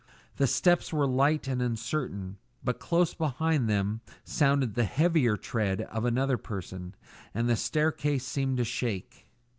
The steps were light and uncertain; but close behind them sounded the heavier tread of another person, and the staircase seemed to shake.